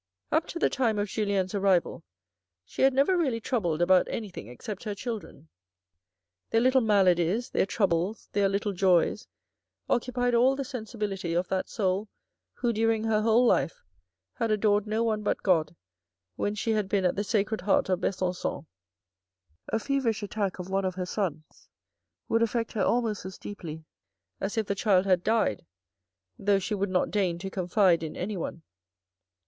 Up to the time of Julien's arrival she had never really troubled about anything except her children. Their little maladies, their troubles, their little joys, occupied all the sensibility of that soul, who, during her whole life, had adored no one but God, when she had been at the Sacred Heart of Besancon. A feverish attack of one of her sons would affect her almost as deeply as if the child had died, though she would not deign to confide in anyone.